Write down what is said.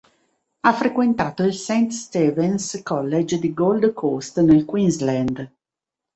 Ha frequentato il Saint Stephens College di Gold Coast, nel Queensland.